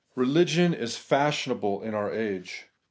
Eeligion is fashionable in our age.